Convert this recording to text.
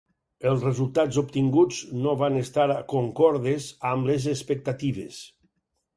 Els resultats obtinguts no van estar concordes amb les expectatives.